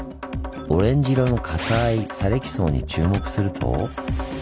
オレンジ色の硬い砂礫層に注目すると。